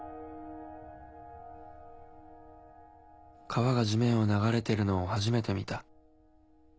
川が地面を流れてるのを初めて見た。